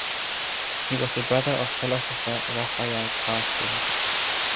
He was the brother of philosopher Rafael Karsten.